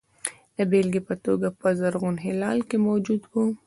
د بېلګې په توګه په زرغون هلال کې موجود وو.